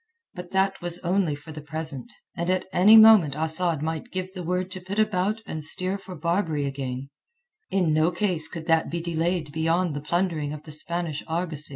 But that was only for the present, and at any moment Asad might give the word to put about and steer for Barbary again; in no case could that be delayed beyond the plundering of the Spanish argosy.